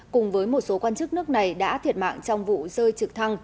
cùng với một số quan chức nước này đã thiệt mạng trong vụ rơi trực thăng